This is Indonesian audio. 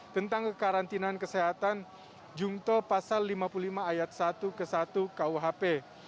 tentang kekarantinaan kesehatan jungto pasal lima puluh lima ayat satu ke satu kuhp